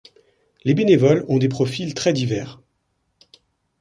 Les bénévoles ont des profils très divers.